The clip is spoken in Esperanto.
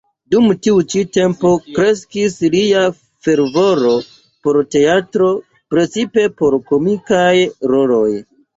Dum tiu ĉi tempo kreskis lia fervoro por teatro, precipe por komikaj roloj.